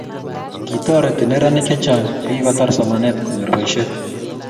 Kikotorit neranik che chang che kikotar somanet konyor boishet